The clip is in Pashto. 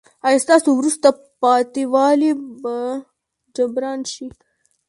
ایا ستاسو وروسته پاتې والی به جبران شي؟